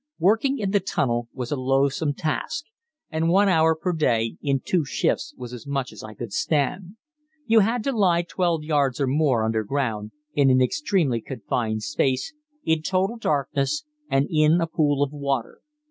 Working in the tunnel was a loathsome task, and one hour per day, in two shifts, was as much as I could stand. You had to lie 12 yards or more under ground, in an extremely confined space, in total darkness and in a pool of water.